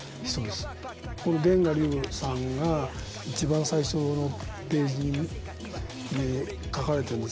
この田我流さんが一番最初のページに書かれてるんです。